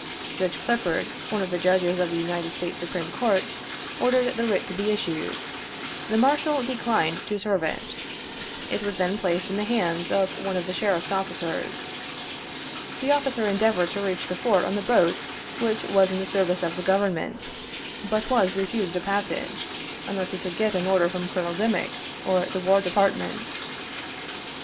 Judge Clifford, one of the Judges of the United States Supreme Court, or dered the writ to be issued. The Marshal declined to serve it. It was then placed in the hands of one of the Sheriff's officers. The officer endeavored to reach the fort on the boat which was in the service of the Government, but was refused a passage, unless he could get an order from Colo nel Dimick, or the War Department.